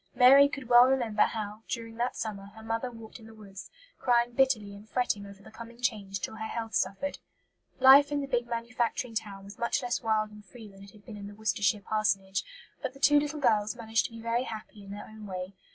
Mary could well remember how, during that summer, her mother walked in the woods, crying bitterly and fretting over the coming change till her health suffered. Life in the big manufacturing town was much less wild and free than it had been in the Worcestershire parsonage; but the two little girls managed to be very happy in their own way.